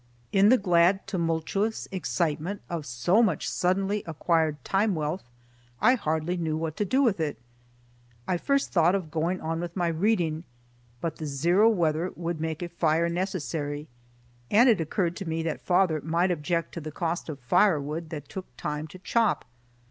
In the glad, tumultuous excitement of so much suddenly acquired time wealth, I hardly knew what to do with it. I first thought of going on with my reading, but the zero weather would make a fire necessary, and it occurred to me that father might object to the cost of firewood that took time to chop.